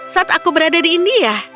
saat aku berada di india